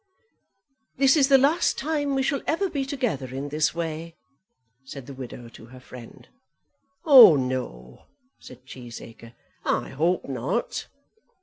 "This is the last time we shall ever be together in this way," said the widow to her friend. "Oh, no," said Cheesacre; "I hope not."